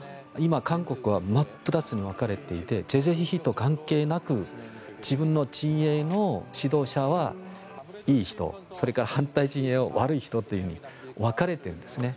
韓国は今、真っ二つに分かれていて是々非々と関係なく自分の陣営の指導者はいい人それから反対陣営は悪い人というふうに分かれているんですね。